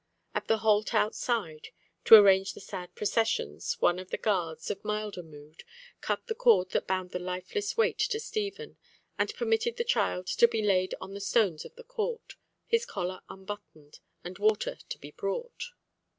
In the halt outside, to arrange the sad processions, one of the guards, of milder mood, cut the cord that bound the lifeless weight to Stephen, and permitted the child to be laid on the stones of the court, his collar unbuttoned, and water to be brought.